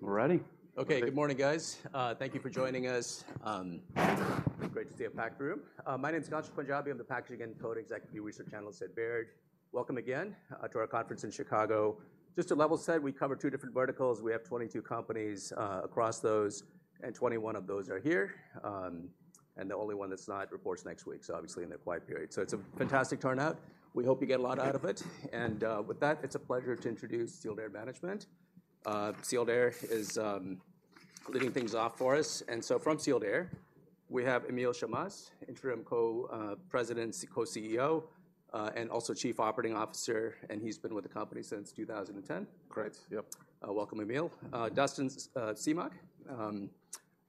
You guys ready? We're ready. Okay, good morning, guys. Thank you for joining us. Great to see a packed room. My name is Ghansham Panjabi, I'm the Packaging and Materials Executive Research Analyst at Baird. Welcome again, to our conference in Chicago. Just to level set, we cover two different verticals. We have 22 companies, across those, and 21 of those are here. And the only one that's not, reports next week, so obviously in their quiet period. So it's a fantastic turnout. We hope you get a lot out of it, and, with that, it's a pleasure to introduce Sealed Air Management. Sealed Air is, leading things off for us, and so from Sealed Air, we have Emile Chammas, Interim Co-President, Co-CEO, and also Chief Operating Officer, and he's been with the company since 2010. Correct. Yep. Welcome, Emile. Dustin Semach.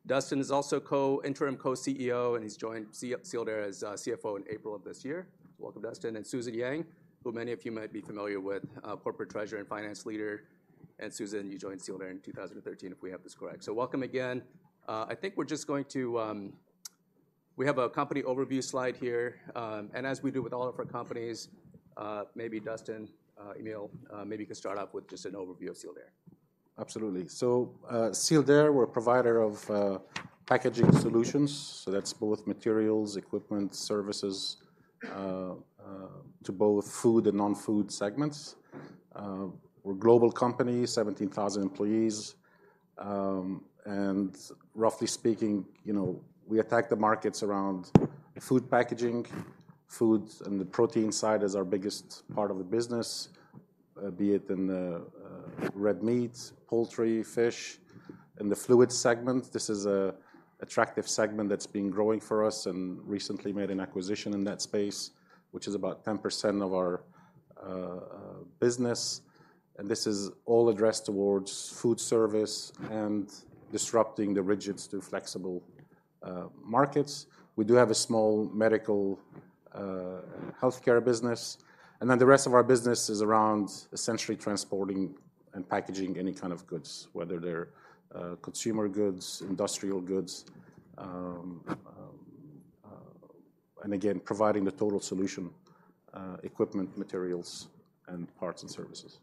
Dustin is also Interim Co-CEO, and he's joined Sealed Air as CFO in April of this year. Welcome, Dustin, and Susan Yang, who many of you might be familiar with, Corporate Treasurer and Finance Leader, and Susan, you joined Sealed Air in 2013, if we have this correct. So welcome again. I think we're just going to. We have a company overview slide here, and as we do with all of our companies, maybe Dustin, Emile, maybe you can start off with just an overview of Sealed Air. Absolutely. So, Sealed Air, we're a provider of, packaging solutions, so that's both materials, equipment, services, to both food and non-food segments. We're a global company, 17,000 employees, and roughly speaking, you know, we attack the markets around food packaging, foods, and the protein side is our biggest part of the business, be it in the, red meats, poultry, fish. In the Fluid segment, this is a attractive segment that's been growing for us and recently made an acquisition in that space, which is about 10% of our, business. And this is all addressed towards food service and disrupting the rigids to flexibles, markets. We do have a small medical, healthcare business, and then the rest of our business is around essentially transporting and packaging any kind of goods, whether they're consumer goods, industrial goods, and again, providing the total solution, equipment, materials, and parts and services.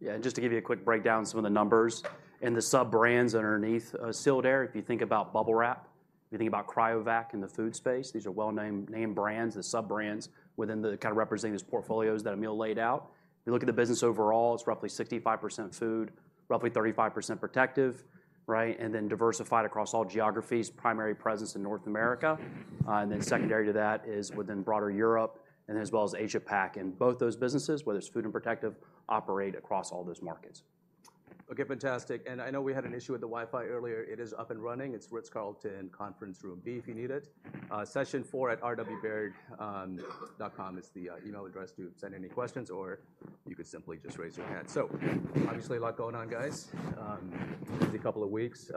Yeah, and just to give you a quick breakdown on some of the numbers and the sub-brands underneath Sealed Air, if you think about Bubble Wrap, if you think about Cryovac in the food space, these are well-named, named brands, the sub-brands within the kind of representing these portfolios that Emile laid out. If you look at the business overall, it's roughly 65% food, roughly 35% protective, right, and then diversified across all geographies, primary presence in North America, and then secondary to that is within broader Europe and as well as Asia Pac. And both those businesses, whether it's food and protective, operate across all those markets. Okay, fantastic. And I know we had an issue with the Wi-Fi earlier. It is up and running. It's Ritz-Carlton Conference Room B, if you need it, sessionfour@rwbaird.com is the email address to send any questions, or you can simply just raise your hand. So obviously, a lot going on, guys, busy couple of weeks.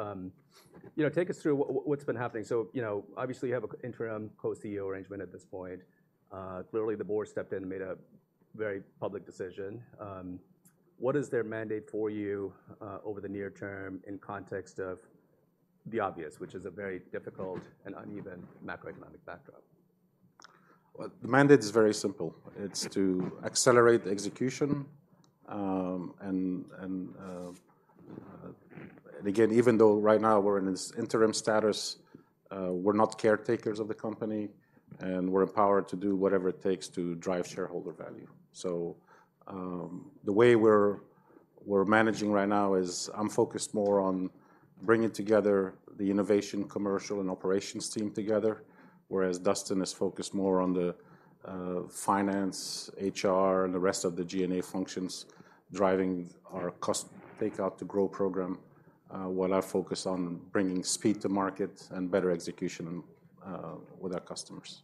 You know, take us through what, what's been happening. So, you know, obviously, you have an Interim Co-CEO arrangement at this point. Clearly, the Board stepped in and made a very public decision. What is their mandate for you, over the near term in context of the obvious, which is a very difficult and uneven macroeconomic backdrop? Well, the mandate is very simple. It's to accelerate the execution, and again, even though right now we're in this interim status, we're not caretakers of the company, and we're empowered to do whatever it takes to drive shareholder value. So, the way we're managing right now is I'm focused more on bringing together the innovation, commercial, and operations team together, whereas Dustin is focused more on the Finance, HR, and the rest of the G&A functions, driving our Cost Take Out to Grow Program, while I focus on bringing speed to market and better execution with our customers.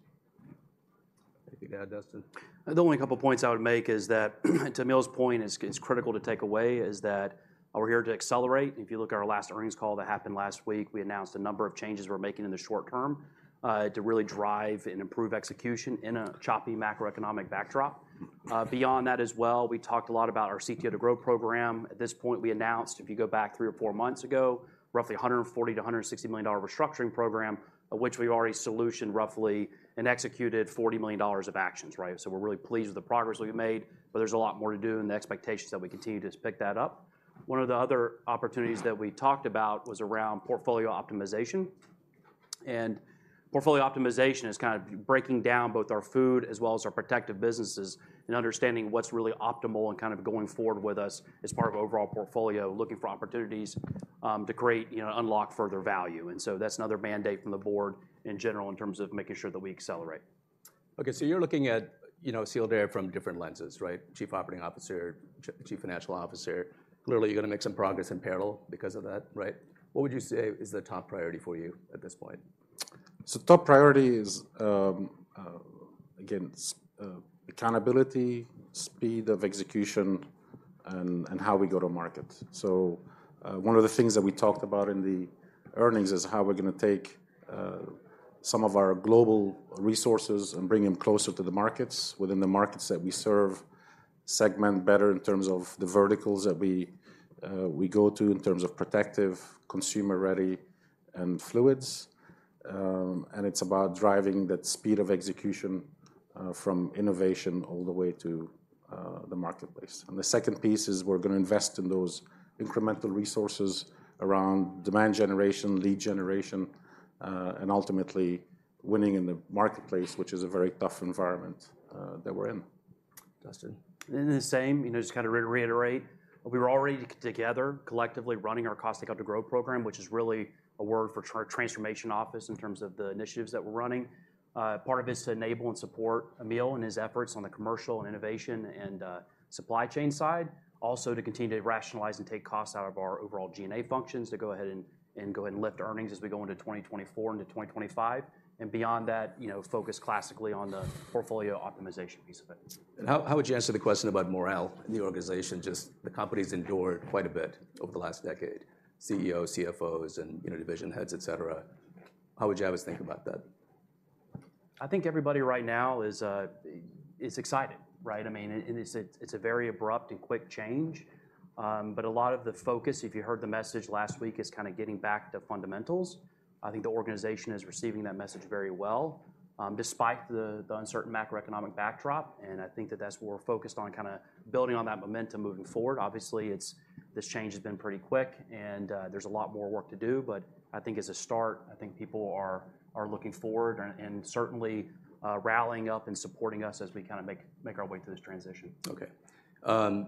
Anything to add, Dustin? The only couple points I would make is that, to Emile's point, it's, it's critical to take away, is that we're here to accelerate. If you look at our last earnings call that happened last week, we announced a number of changes we're making in the short term, to really drive and improve execution in a choppy macroeconomic backdrop. Beyond that as well, we talked a lot about our CTO to Grow Program. At this point, we announced, if you go back three or four months ago, roughly a $140 million-$160 million restructuring program, of which we've already solution roughly and executed $40 million of actions, right? So we're really pleased with the progress we've made, but there's a lot more to do and the expectations that we continue to just pick that up. One of the other opportunities that we talked about was around portfolio optimization, and portfolio optimization is kind of breaking down both our food as well as our protective businesses and understanding what's really optimal and kind of going forward with us as part of overall portfolio, looking for opportunities, to create, you know, unlock further value. And so that's another mandate from the board in general, in terms of making sure that we accelerate. Okay, so you're looking at, you know, Sealed Air from different lenses, right? Chief Operating Officer, Chief Financial Officer. Clearly, you're gonna make some progress in parallel because of that, right? What would you say is the top priority for you at this point? So top priority is, again, accountability, speed of execution, and how we go to market. So, one of the things that we talked about in the earnings is how we're gonna take some of our global resources and bring them closer to the markets, within the markets that we serve, segment better in terms of the verticals that we go to, in terms of protective, consumer-ready, and fluids. And it's about driving that speed of execution from innovation all the way to the marketplace. And the second piece is we're gonna invest in those incremental resources around demand generation, lead generation, and ultimately winning in the marketplace, which is a very tough environment that we're in. Dustin? The same. You know, just kinda reiterate, we were already together, collectively running our Cost Take Out to Grow Program, which is really a word for transformation office in terms of the initiatives that we're running. Part of it is to enable and support Emile and his efforts on the commercial and innovation and supply chain side. Also, to continue to rationalize and take costs out of our overall G&A functions, to go ahead and, and go ahead and lift earnings as we go into 2024 and to 2025. Beyond that, you know, focus classically on the portfolio optimization piece of it. How would you answer the question about morale in the organization? Just, the company's endured quite a bit over the last decade. CEOs, CFOs, and, you know, Division Heads, et cetera. How would you guys think about that? I think everybody right now is excited, right? I mean, and it's a very abrupt and quick change, but a lot of the focus, if you heard the message last week, is kind of getting back to fundamentals. I think the organization is receiving that message very well, despite the uncertain macroeconomic backdrop, and I think that's where we're focused on kind of building on that momentum moving forward. Obviously, it's. This change has been pretty quick, and there's a lot more work to do, but I think it's a start. I think people are looking forward and certainly rallying up and supporting us as we kind of make our way through this transition. Okay.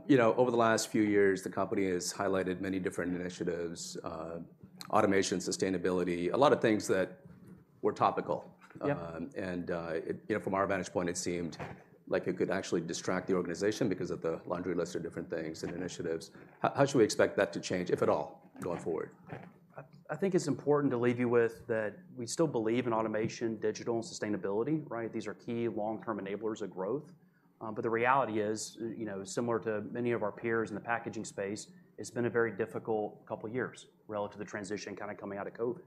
You know, over the last few years, the company has highlighted many different initiatives, automation, sustainability, a lot of things that were topical. Yeah. You know, from our vantage point, it seemed like it could actually distract the organization because of the laundry list of different things and initiatives. How, how should we expect that to change, if at all, going forward? I, I think it's important to leave you with that we still believe in automation, digital and sustainability, right? These are key long-term enablers of growth. But the reality is, you know, similar to many of our peers in the packaging space, it's been a very difficult couple of years relative to the transition kind of coming out of COVID,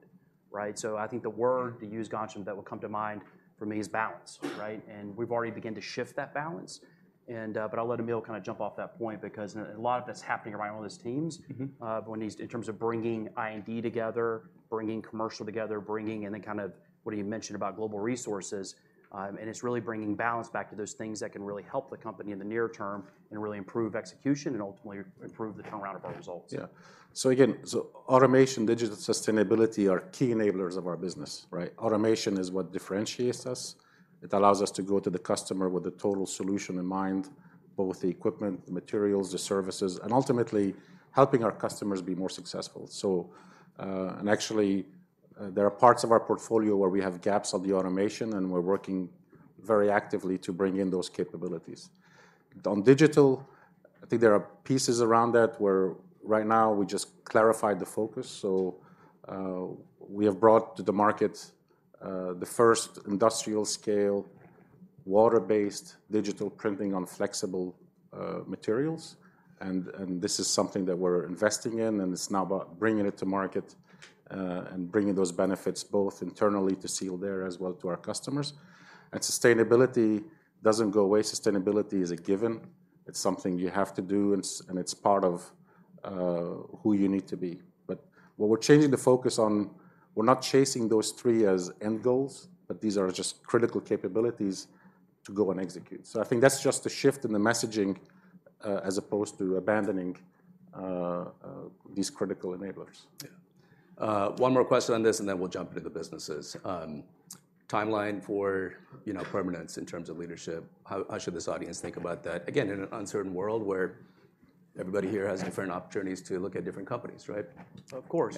right? So I think the word to use, Ghansham, that will come to mind for me is balance, right? And we've already begun to shift that balance, and, but I'll let Emile kind of jump off that point, because a lot of that's happening around all these teams. Mm-hmm. But when these, in terms of bringing I&D together, bringing commercial together, bringing, and then kind of what you mentioned about global resources, and it's really bringing balance back to those things that can really help the company in the near term and really improve execution and ultimately improve the turnaround of our results. Yeah. So again, so automation, digital, sustainability are key enablers of our business, right? Automation is what differentiates us. It allows us to go to the customer with a total solution in mind, both the equipment, the materials, the services, and ultimately, helping our customers be more successful. And actually, there are parts of our portfolio where we have gaps on the automation, and we're working very actively to bring in those capabilities. On digital, I think there are pieces around that where right now we just clarified the focus. So, we have brought to the market the first industrial-scale, water-based digital printing on flexible materials, and this is something that we're investing in, and it's now about bringing it to market and bringing those benefits both internally to Sealed Air, as well to our customers. Sustainability doesn't go away. Sustainability is a given. It's something you have to do, and it's part of who you need to be. But what we're changing the focus on, we're not chasing those three as end goals, but these are just critical capabilities to go and execute. So I think that's just a shift in the messaging as opposed to abandoning these critical enablers. Yeah. One more question on this, and then we'll jump into the businesses. Timeline for, you know, permanence in terms of leadership, how, how should this audience think about that? Again, in an uncertain world where everybody here has different opportunities to look at different companies, right? Of course.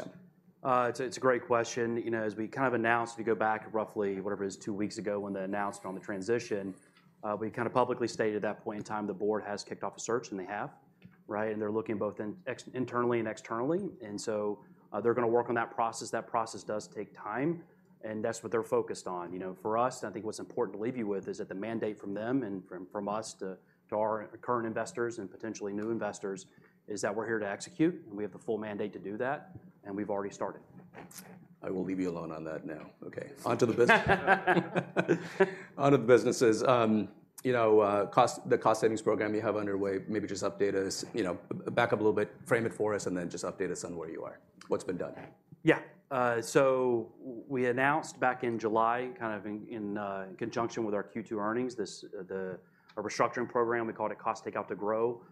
Yeah. It's a great question. You know, as we kind of announced, we go back roughly, whatever it is, two weeks ago when they announced on the transition, we kind of publicly stated at that point in time, the board has kicked off a search, and they have, right? They're looking both internally and externally, and so, they're gonna work on that process. That process does take time, and that's what they're focused on. You know, for us, I think what's important to leave you with is that the mandate from them and from us to our current investors and potentially new investors is that we're here to execute, and we have the full mandate to do that, and we've already started. I will leave you alone on that now. Okay, onto the businesses. You know, cost, the cost savings program you have underway, maybe just update us. You know, back up a little bit, frame it for us, and then just update us on where you are, what's been done? Yeah. So we announced back in July, kind of in conjunction with our Q2 earnings, this, a restructuring program, we called it Cost Take Out to Grow.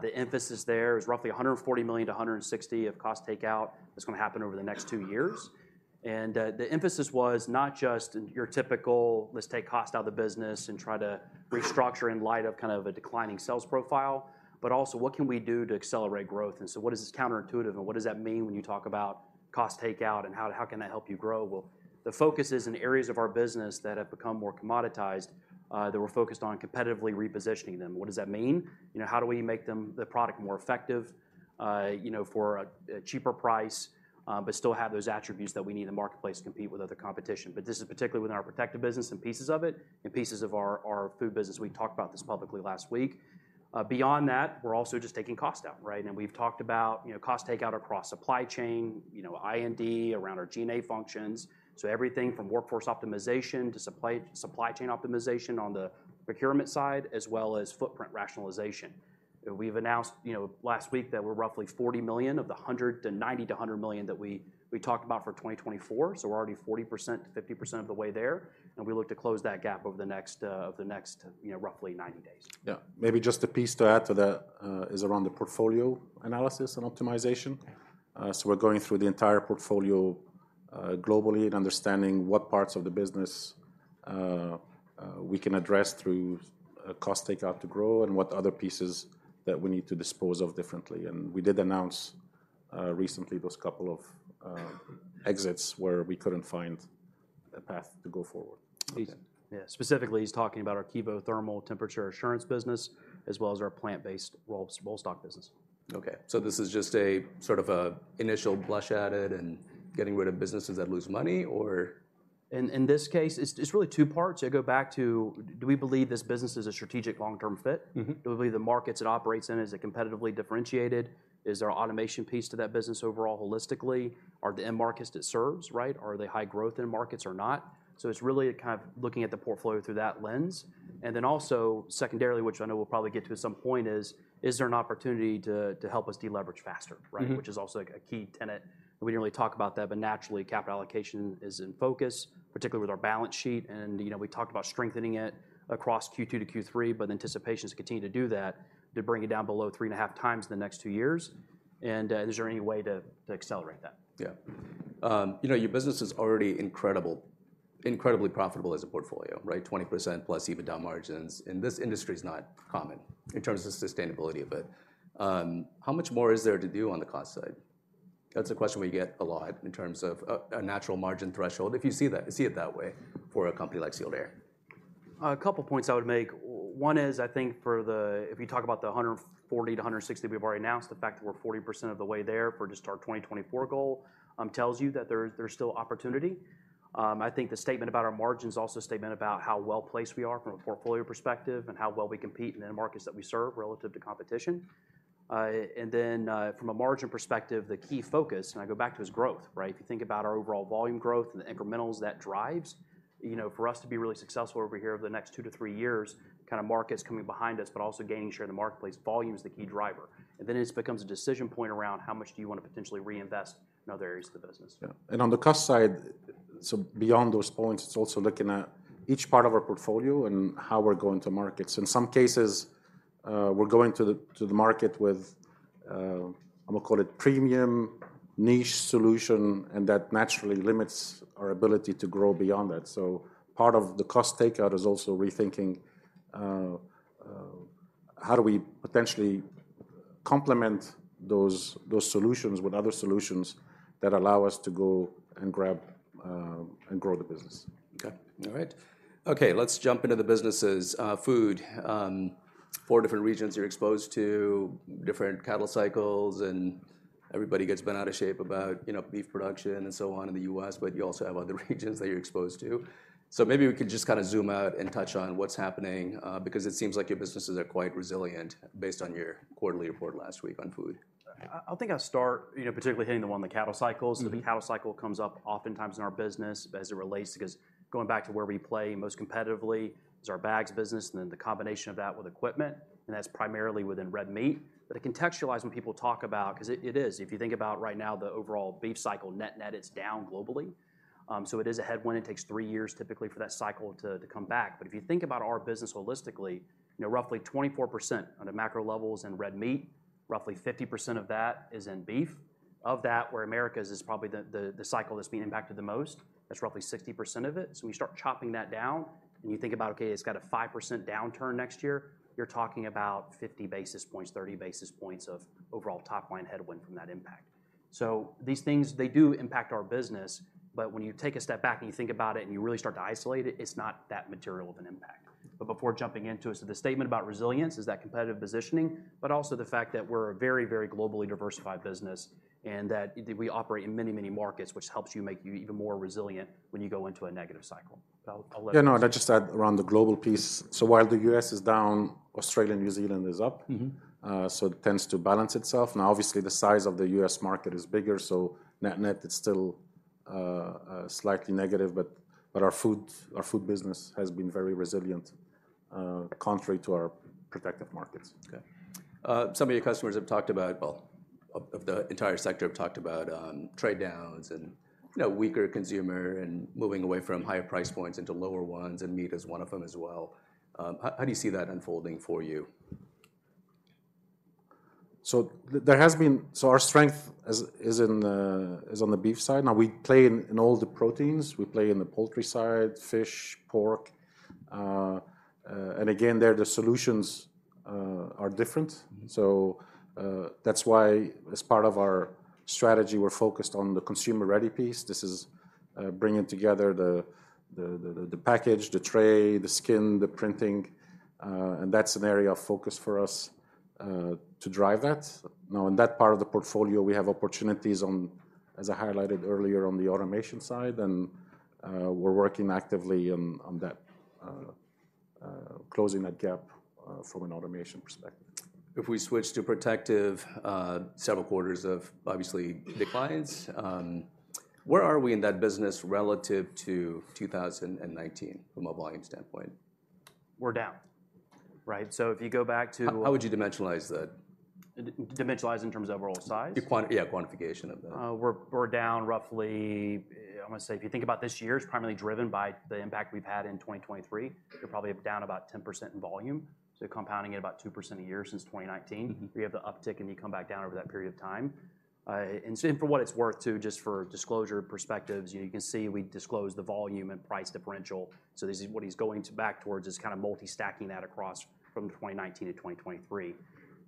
The emphasis there is roughly $140 million-$160 million of cost takeout that's gonna happen over the next two years. And the emphasis was not just your typical, let's take cost out of the business and try to restructure in light of kind of a declining sales profile, but also, what can we do to accelerate growth? And so what is this counterintuitive, and what does that mean when you talk about cost takeout, and how can that help you grow? Well, the focus is in areas of our business that have become more commoditized, that we're focused on competitively repositioning them. What does that mean? You know, how do we make them, the product more effective, you know, for a cheaper price, but still have those attributes that we need in the marketplace to compete with other competition? But this is particularly with our protective business and pieces of it, and pieces of our food business. We talked about this publicly last week. Beyond that, we're also just taking costs down, right? And we've talked about, you know, cost takeout across supply chain, you know, R&D, around our G&A functions. So everything from workforce optimization to supply chain optimization on the procurement side, as well as footprint rationalization. We've announced, you know, last week, that we're roughly $40 million of the $90 million-$100 million that we talked about for 2024. So we're already 40%-50% of the way there, and we look to close that gap over the next, over the next, you know, roughly 90 days. Yeah. Maybe just a piece to add to that, is around the portfolio analysis and optimization. Yeah. So we're going through the entire portfolio, globally and understanding what parts of the business we can address through a Cost Take Out to Grow, and what other pieces that we need to dispose of differently. We did announce, recently, those couple of exits where we couldn't find a path to go forward. He's. Yeah, specifically, he's talking about our Kevothermal Temperature Assurance business, as well as our Plant-Based Roll Stock business. Okay. So this is just a sort of an initial blush at it and getting rid of businesses that lose money, or? In this case, it's really two parts. I go back to, do we believe this business is a strategic long-term fit? Mm-hmm. Do we believe the markets it operates in is it competitively differentiated? Is there an automation piece to that business overall, holistically? Are the end markets it serves, right, are they high growth end markets or not? So it's really kind of looking at the portfolio through that lens. And then also, secondarily, which I know we'll probably get to at some point is, is there an opportunity to, to help us deleverage faster, right? Mm-hmm. Which is also a key tenet. We didn't really talk about that, but naturally, capital allocation is in focus, particularly with our balance sheet, and, you know, we talked about strengthening it across Q2 to Q3, but the anticipation is to continue to do that, to bring it down below 3.5x in the next two years. And, is there any way to accelerate that? Yeah. You know, your business is already incredibly profitable as a portfolio, right? 20%+ EBITDA margins in this industry is not common in terms of sustainability of it. How much more is there to do on the cost side? That's a question we get a lot in terms of a natural margin threshold, if you see that, see it that way for a company like Sealed Air. A couple of points I would make. One is, I think for the, if you talk about the $ 140 million-$ 160 million, we've already announced the fact that we're 40% of the way there for just our 2024 goal, tells you that there, there's still opportunity. I think the statement about our margins is also a statement about how well-placed we are from a portfolio perspective and how well we compete in the markets that we serve relative to competition. And then, from a margin perspective, the key focus, and I go back to is growth, right? If you think about our overall volume growth and the incremental that drives, you know, for us to be really successful over here over the next two to three years, kind of markets coming behind us, but also gaining share in the marketplace, volume is the key driver. And then it just becomes a decision point around how much do you want to potentially reinvest in other areas of the business. Yeah. And on the cost side, so beyond those points, it's also looking at each part of our portfolio and how we're going to markets. In some cases, we're going to the market with, I'm gonna call it premium niche solution, and that naturally limits our ability to grow beyond that. So part of the cost takeout is also rethinking how do we potentially complement those solutions with other solutions that allow us to go and grab and grow the business? Okay. All right. Okay, let's jump into the businesses. Food, four different regions, you're exposed to different cattle cycles, and everybody gets bent out of shape about, you know, beef production and so on in the U.S., but you also have other regions that you're exposed to. So maybe we could just kind of zoom out and touch on what's happening, because it seems like your businesses are quite resilient based on your quarterly report last week on food. I think I'll start, you know, particularly hitting the one on the cattle cycles. Mm-hmm. The cattle cycle comes up oftentimes in our business as it relates, because going back to where we play most competitively is our bags business, and then the combination of that with equipment, and that's primarily within red meat. But to contextualize when people talk about it. Because it is. If you think about right now, the overall beef cycle net-net, it's down globally. So it is a headwind. It takes three years typically for that cycle to come back. But if you think about our business holistically, you know, roughly 24% on the macro levels in red meat, roughly 50% of that is in beef. Of that, where Americas is probably the cycle that's being impacted the most, that's roughly 60% of it. So we start chopping that down, and you think about, okay, it's got a 5% downturn next year, you're talking about 50 basis points, 30 basis points of overall top line headwind from that impact. So these things, they do impact our business, but when you take a step back and you think about it and you really start to isolate it, it's not that material of an impact. But before jumping into it, so the statement about resilience is that competitive positioning, but also the fact that we're a very, very globally diversified business, and that we operate in many, many markets, which helps you make you even more resilient when you go into a negative cycle. I'll, I'll let- Yeah, no, I'll just add around the global piece. So while the U.S. is down, Australia and New Zealand is up. Mm-hmm. So it tends to balance itself. Now, obviously, the size of the U.S. market is bigger, so net-net, it's still slightly negative, but our food business has been very resilient, contrary to our protective markets. Okay. Some of your customers have talked about, well, of the entire sector, trade downs and, you know, weaker consumer and moving away from higher price points into lower ones, and meat is one of them as well. How do you see that unfolding for you? So our strength is in the beef side. Now, we play in all the proteins. We play in the poultry side, fish, pork, and again, there, the solutions are different. Mm-hmm. So, that's why as part of our strategy, we're focused on the consumer-ready piece. This is bringing together the package, the tray, the skin, the printing, and that's an area of focus for us to drive that. Now, in that part of the portfolio, we have opportunities on, as I highlighted earlier, on the automation side, and we're working actively on that, closing that gap from an automation perspective. If we switch to protective, several quarters of obviously declines. Where are we in that business relative to 2019 from a volume standpoint? We're down, right? So if you go back to. How would you dimensionalize that? Dimensionalize in terms of overall size? Yeah, quantification of that. We're down roughly. I'm gonna say, if you think about this year, it's primarily driven by the impact we've had in 2023. We're probably down about 10% in volume, so compounding at about 2% a year since 2019. Mm-hmm. We have the uptick, and you come back down over that period of time. And so for what it's worth, too, just for disclosure perspectives, you know, you can see we disclose the volume and price differential. So this is what he's going to back towards is kind of multi-stacking that across from 2019-2023.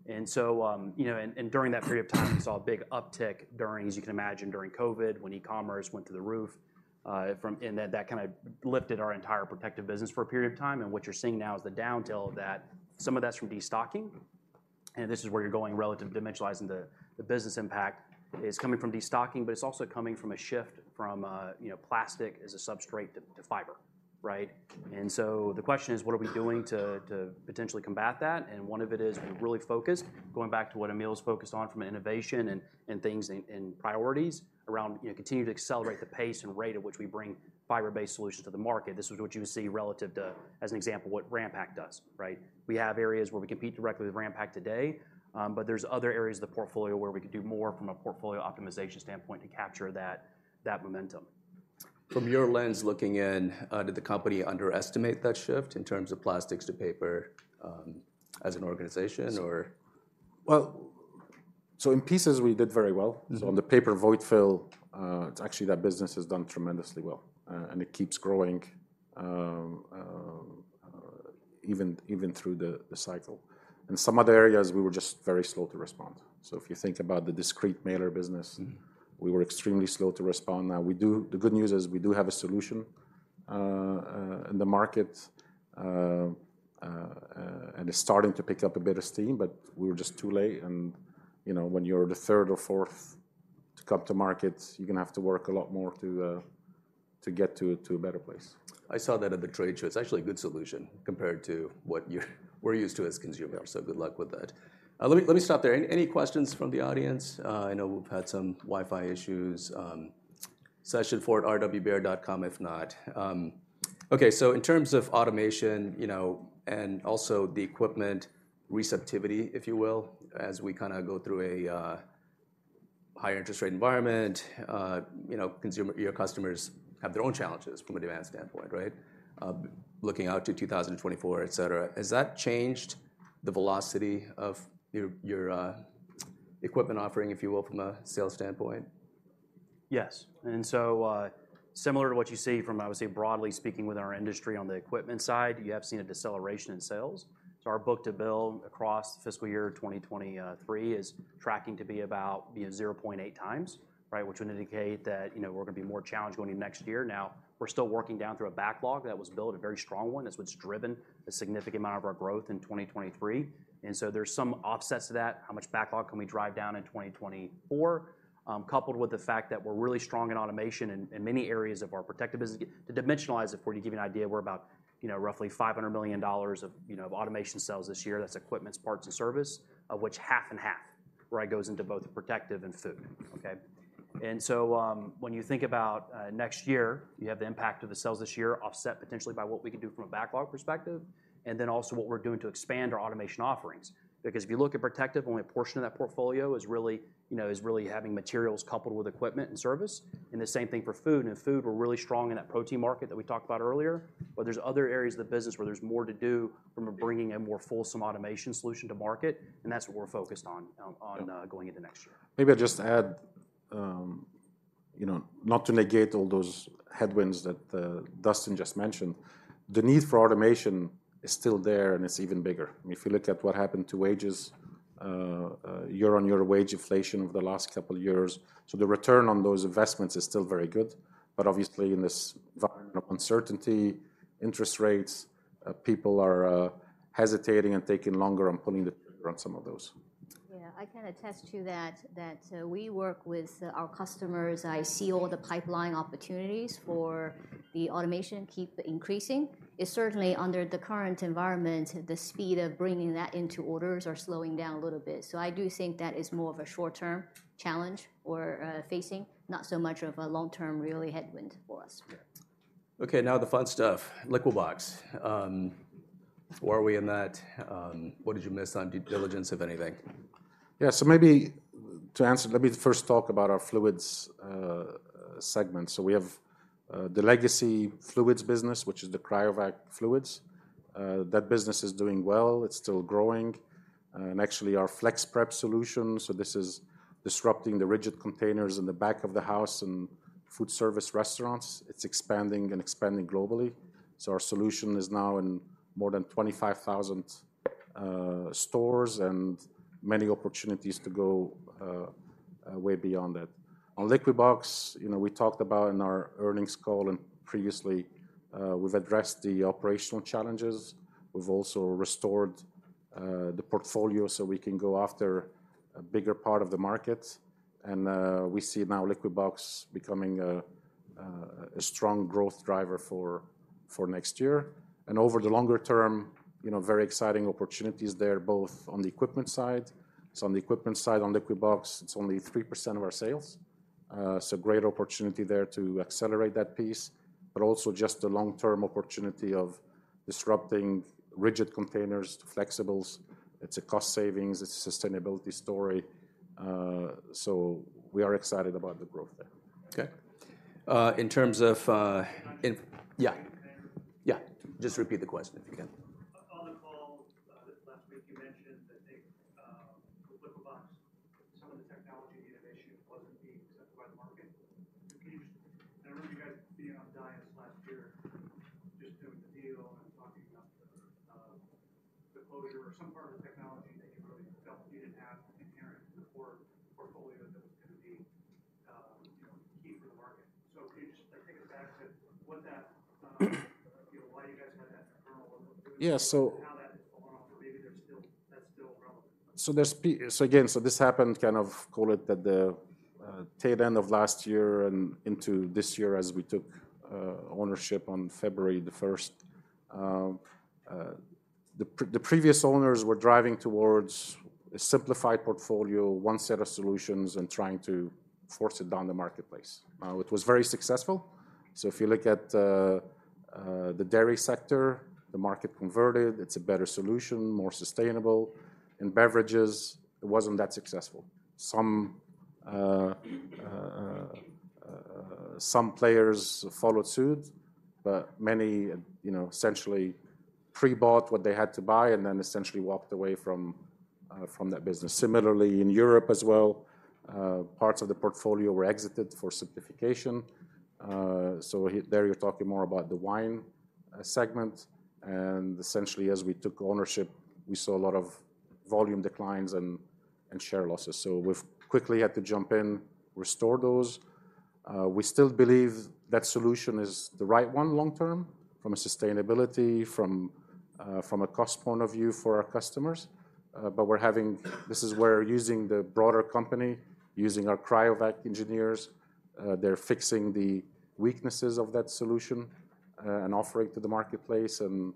And so, you know, and during that period of time, we saw a big uptick during, as you can imagine, during COVID, when e-commerce went through the roof. And that kind of lifted our entire protective business for a period of time, and what you're seeing now is the downtail of that. Some of that's from destocking, and this is where you're going relative to dimensionalizing the business impact. It's coming from destocking, but it's also coming from a shift from, you know, plastic as a substrate to, to fiber, right? And so the question is, what are we doing to, to potentially combat that? And one of it is we're really focused, going back to what Emile is focused on from an innovation and, and things and, and priorities around, you know, continuing to accelerate the pace and rate at which we bring fiber-based solutions to the market. This is what you would see relative to, as an example, what Ranpak does, right? We have areas where we compete directly with Ranpak today, but there's other areas of the portfolio where we could do more from a portfolio optimization standpoint to capture that, that momentum. From your lens looking in, did the company underestimate that shift in terms of plastics to paper, as an organization or. Well, in pieces, we did very well. Mm-hmm. So on the paper void fill, actually, that business has done tremendously well, and it keeps growing, even through the cycle. In some other areas, we were just very slow to respond. So if you think about the discrete mailer business. Mm-hmm We were extremely slow to respond. Now, the good news is we do have a solution in the market, and it's starting to pick up a bit of steam, but we were just too late, and, you know, when you're the third or fourth to come to market, you're gonna have to work a lot more to get to a better place. I saw that at the trade show. It's actually a good solution compared to what you're used to as consumers, so good luck with that. Let me stop there. Any questions from the audience? I know we've had some Wi-Fi issues, sessionfour@rwbaird.com, if not. Okay, so in terms of automation, you know, and also the equipment receptivity, if you will, as we kinda go through a higher interest rate environment, you know, consumer, your customers have their own challenges from a demand standpoint, right? Looking out to 2024, et cetera, has that changed the velocity of your equipment offering, if you will, from a sales standpoint? Yes. And so, similar to what you see from, I would say, broadly speaking, with our industry on the equipment side, you have seen a deceleration in sales. So our book to bill across fiscal year 2023 is tracking to be about 0.8x, right? Which would indicate that, you know, we're gonna be more challenged going into next year. Now, we're still working down through a backlog that was built, a very strong one. That's what's driven a significant amount of our growth in 2023, and so there's some offsets to that. How much backlog can we drive down in 2024? Coupled with the fact that we're really strong in automation in many areas of our protective business. To dimensionalize it for you, to give you an idea, we're about, you know, roughly $500 million of, you know, of automation sales this year. That's equipments, parts, and service, of which 50/50, right, goes into both protective and food, okay? And so, when you think about, next year, you have the impact of the sales this year offset potentially by what we can do from a backlog perspective, and then also what we're doing to expand our automation offerings. Because if you look at protective, only a portion of that portfolio is really, you know, is really having materials coupled with equipment and service, and the same thing for food. In food, we're really strong in that protein market that we talked about earlier, but there's other areas of the business where there's more to do from a bringing a more fulsome automation solution to market, and that's what we're focused on going into next year. Maybe I'll just add, you know, not to negate all those headwinds that Dustin just mentioned, the need for automation is still there, and it's even bigger. If you look at what happened to wages, year on year wage inflation over the last couple of years, so the return on those investments is still very good. But obviously, in this environment of uncertainty, interest rates, people are hesitating and taking longer and pulling the trigger on some of those. Yeah, I can attest to that, that, we work with, our customers. I see all the pipeline opportunities for the automation keep increasing. It's certainly under the current environment, the speed of bringing that into orders are slowing down a little bit. So I do think that is more of a short-term challenge we're, facing, not so much of a long-term really headwind for us. Yeah. Okay, now the fun stuff, Liquibox. Where are we in that? What did you miss on due diligence, if anything? Yeah, so maybe to answer, let me first talk about our Fluids segment. So we have the legacy Fluids business, which is the Cryovac fluids. That business is doing well. It's still growing, and actually, our FlexPrep solution, so this is disrupting the rigid containers in the back-of-house food service restaurants. It's expanding and expanding globally. So our solution is now in more than 25,000 stores, and many opportunities to go way beyond that. On Liquibox, you know, we talked about in our earnings call and we've addressed the operational challenges. We've also restored the portfolio, so we can go after a bigger part of the market. And we see now Liquibox becoming a strong growth driver for next year. Over the longer term, you know, very exciting opportunities there, both on the equipment side. On the equipment side, on Liquibox, it's only 3% of our sales. So great opportunity there to accelerate that piece, but also just the long-term opportunity of disrupting rigid containers to flexibles. It's a cost savings. It's a sustainability story. So we are excited about the growth there. Okay. In terms of. Can I just. Yeah. Can I just. Yeah, just repeat the question if you can. On the call last week, you mentioned that the Liquibox, some of the technology you had issued wasn't being accepted by the market. Can you just. I remember you guys being on Dias last year, just doing the deal and talking about the closure or some part of the technology that you really felt you didn't have inherent before portfolio that was gonna be, you know, key to the market. So can you just, like, take us back to what that, you know, why you guys had that internal. Yeah, so. How that went on, or maybe that's still, that's still relevant? So again, this happened kind of, call it, at the tail end of last year and into this year as we took ownership on February the 1st. The previous owners were driving towards a simplified portfolio, one set of solutions, and trying to force it down the marketplace. It was very successful. So if you look at the dairy sector, the market converted, it's a better solution, more sustainable. In beverages, it wasn't that successful. Some players followed suit, but many, you know, essentially pre-bought what they had to buy and then essentially walked away from that business. Similarly, in Europe as well, parts of the portfolio were exited for simplification. So there you're talking more about the Wine segment. Essentially, as we took ownership, we saw a lot of volume declines and share losses. So we've quickly had to jump in, restore those. We still believe that solution is the right one long term from a sustainability, from a cost point-of-view for our customers. But this is where using the broader company, using our Cryovac engineers, they're fixing the weaknesses of that solution, and offering to the marketplace, and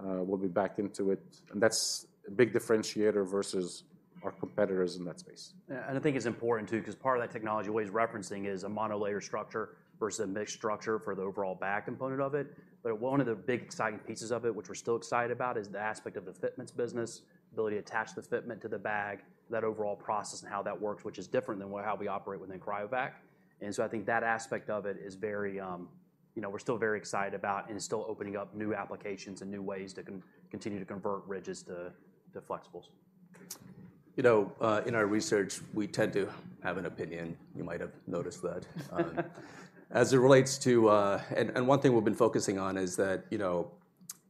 we'll be backed into it. And that's a big differentiator versus our competitors in that space. I think it's important, too, 'cause part of that technology what he's referencing is a monolayer structure versus a mixed structure for the overall bag component of it. But one of the big exciting pieces of it, which we're still excited about, is the aspect of the fitments business, the ability to attach the fitment to the bag, that overall process and how that works, which is different than how we operate within Cryovac. And so I think that aspect of it is very, you know, we're still very excited about and is still opening up new applications and new ways to continue to convert rigids to flexibles. You know, in our research, we tend to have an opinion. You might have noticed that. As it relates to and one thing we've been focusing on is that, you know,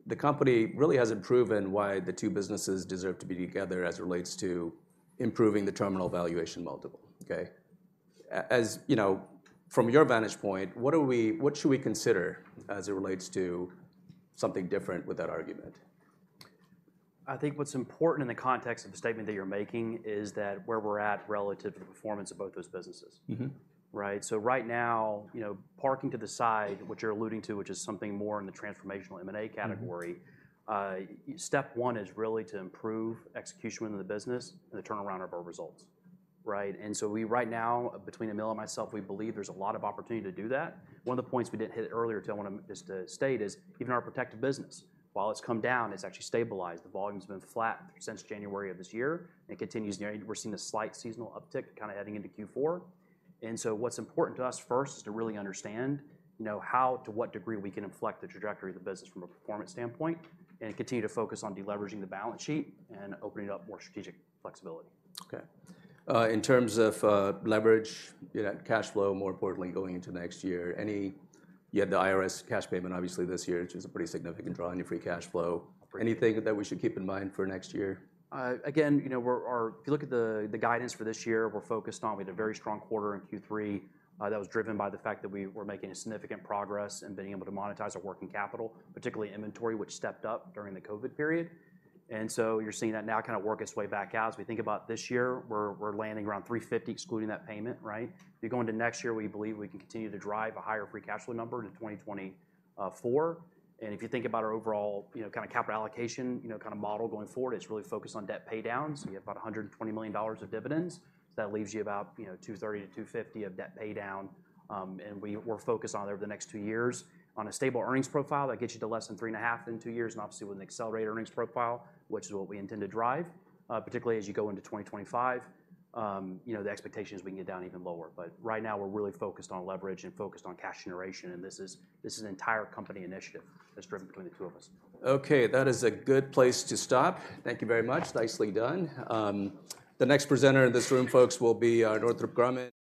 the company really hasn't proven why the two businesses deserve to be together as it relates to improving the terminal valuation multiple, okay? As, you know, from your vantage point, what should we consider as it relates to something different with that argument? I think what's important in the context of the statement that you're making is that where we're at relative to the performance of both those businesses. Mm-hmm. Right? So right now, you know, parking to the side, what you're alluding to, which is something more in the transformational M&A category. Mm-hmm. Step one is really to improve execution within the business and the turnaround of our results, right? And so we, right now, between Emile and myself, we believe there's a lot of opportunity to do that. One of the points we didn't hit earlier, so I wanna just to state is, even our protective business, while it's come down, it's actually stabilized. The volume's been flat since January of this year, and it continues now. We're seeing a slight seasonal uptick kind of heading into Q4. And so what's important to us first is to really understand, you know, how, to what degree we can inflect the trajectory of the business from a performance standpoint, and continue to focus on deleveraging the balance sheet and opening up more strategic flexibility. Okay. In terms of, leverage, you know, cash flow, more importantly, going into next year, any. You had the IRS cash payment obviously this year, which is a pretty significant draw on your free cash flow. Pretty. Anything that we should keep in mind for next year? Again, you know, if you look at our guidance for this year, we're focused on. We had a very strong quarter in Q3 that was driven by the fact that we were making a significant progress and being able to monetize our working capital, particularly inventory, which stepped up during the COVID period. And so you're seeing that now kind of work its way back out. As we think about this year, we're landing around $350, excluding that payment, right? If you go into next year, we believe we can continue to drive a higher free cash flow number to 2024. And if you think about our overall, you know, kind of capital allocation, you know, kind of model going forward, it's really focused on debt paydowns. We have about $120 million of dividends. So that leaves you about, you know, $230 million-$250 million of debt paydown. We're focused, over the next two years, on a stable earnings profile that gets you to less than 3.5 in two years, and obviously, with an accelerated earnings profile, which is what we intend to drive, particularly as you go into 2025, you know, the expectation is we can get down even lower. But right now, we're really focused on leverage and focused on cash generation, and this is, this is an entire company initiative that's driven between the two of us. Okay, that is a good place to stop. Thank you very much. Nicely done. The next presenter in this room, folks, will be, Northrop Grumman.